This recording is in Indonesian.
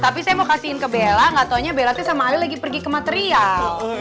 tapi saya mau kasihin ke bella gak taunya bellathy sama ali lagi pergi ke material